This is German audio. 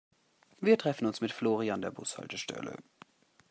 Wir treffen uns mit Flori an der Bushaltestelle.